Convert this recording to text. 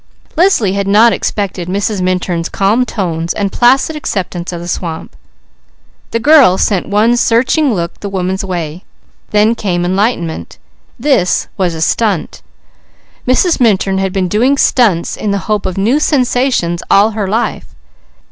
Leslie had not expected Mrs. Minturn's calm tones and placid acceptance of the swamp. The girl sent one searching look the woman's way, then came enlightenment. This was a stunt. Mrs. Minturn had been doing stunts in the hope of new sensations all her life.